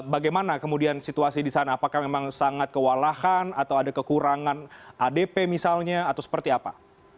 bagaimana kemudian situasi di sana apakah memang sangat kewalahan atau ada kekurangan adp misalnya atau seperti apa